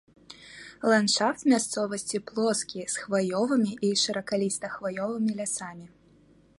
Ландшафт мясцовасці плоскі з хваёвымі і шыракаліста-хваёвымі лясамі.